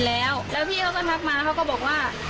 แล้วแล้วพี่เขาก็ทักมาเขาก็บอกว่า